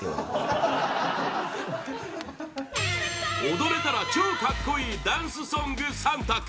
踊れたら超カッコいいダンスソング３択